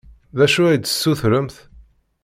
D acu ad d-tessutremt?